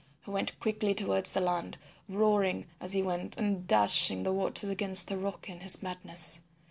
He went quickly towards the land, roaring as he went and dashing the waters against the rocks in his madness.